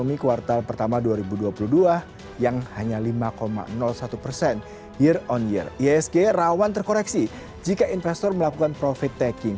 iasg rawan terkoreksi jika investor melakukan profit taking